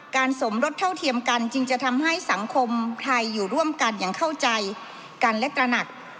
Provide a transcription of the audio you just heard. สมรสเท่าเทียมกันจึงจะทำให้สังคมไทยอยู่ร่วมกันอย่างเข้าใจกันและตระหนัก